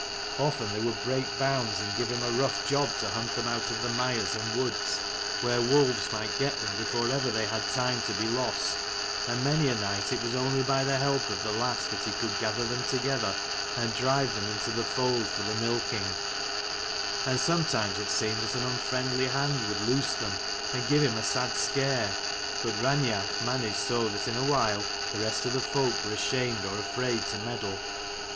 Often they would break bounds, and give him a rough job to hunt them out of the mires and woods, where wolves might get them before ever they had time to be lost. And many a night it was only by the help of the lass that he could gather them together and drive them into the fold for the milking: and sometimes it seemed that an unfriendly hand would loose them, and give him a sad scare. But Raineach managed so that in a while the rest of the folk were ashamed or afraid to meddle.